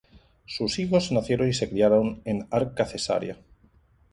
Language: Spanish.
Sus hijos nacieron y se criaron en Arca Caesarea.